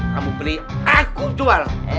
kamu beli aku jual